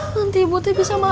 nanti ibu tuh bisa marah